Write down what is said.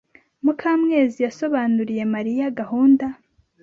Mukamwezi yasobanuriye Mariya gahunda.